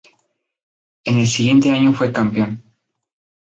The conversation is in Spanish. En el siguiente año fue campeón.